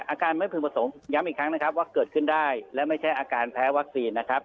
อาการไม่พึงประสงค์ย้ำอีกครั้งนะครับว่าเกิดขึ้นได้และไม่ใช่อาการแพ้วัคซีนนะครับ